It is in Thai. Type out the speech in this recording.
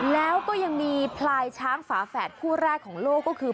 แล้วก็ยังมีพลายช้างฝาแฝดคู่แรกของโลกก็คือ